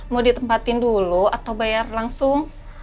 mau ditempatin dulu atau bayar langsung